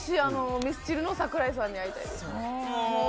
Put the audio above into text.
私、ミスチルの桜井さんに会いたい。